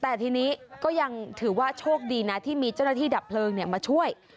แต่ทีนี้ก็ยังถือว่าโชคดีนะที่มีเจ้าหน้าที่ดับเพลิงมาช่วย